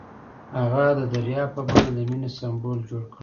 هغه د دریاب په بڼه د مینې سمبول جوړ کړ.